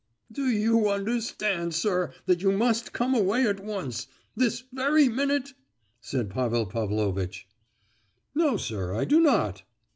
"Do you understand, sir, that you must come away at once—this very minute?" said Pavel Pavlovitch. "No, sir, I do not!"